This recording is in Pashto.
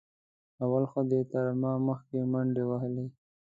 اول خو دې تر ما مخکې منډې وهلې.